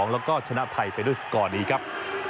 แล้วก็ชนะไทยไปด้วยสกอร์นี้ครับ